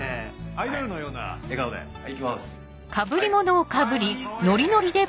アイドルのような笑顔でいきます